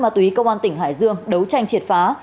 ma túy công an tỉnh hải dương đấu tranh triệt phá